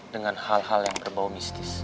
dengan hal hal yang berbau mistis